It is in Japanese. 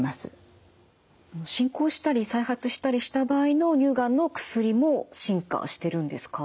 進行したり再発したりした場合の乳がんの薬も進化してるんですか？